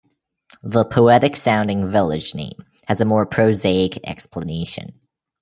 The poetic-sounding village name has a more prosaic explanation.